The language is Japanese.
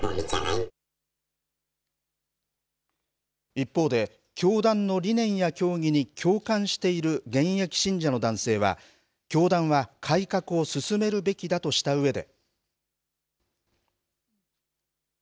一方で教団の理念や教義に共感している現役信者の男性は、教団は改革を進めるべきだとしたうえで。